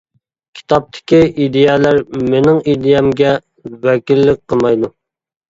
كىتابتىكى ئىدىيەلەر مېنىڭ ئىدىيەمگە ۋەكىللىك قىلمايدۇ.